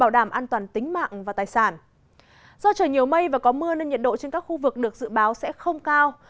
do trời nhiều mây và có mưa nên nhiệt độ trên các khu vực được dự báo sẽ không cao